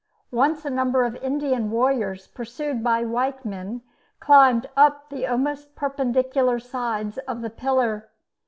Once a number of Indian warriors, pursued by white men, climbed up the almost perpendicular sides of the pillar.